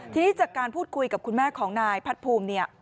ทีนี้จากการพูดคุยกับคุณแม่ของนายพัดภูมิเนี่ย